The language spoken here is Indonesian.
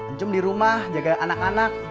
encem di rumah jaga anak anak